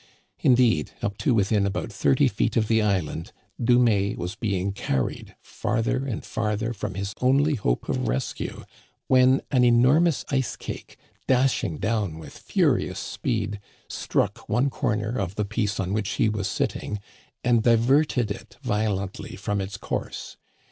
Indeed, up to within about thirty feet of the island, Dumais was being carried farther and farther from his only hope of rescue, when an enormous ice cake, dashing down with furious speed, struck one comer of the piece on which he was sitting, and diverted it violently from its course.